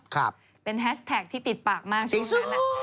ครับเป็นแฮชแทกที่ติดปากมากช่วงนั้น